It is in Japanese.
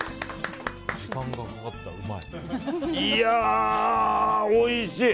いやーおいしい！